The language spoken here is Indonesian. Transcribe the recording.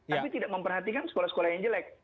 tapi tidak memperhatikan sekolah sekolah yang jelek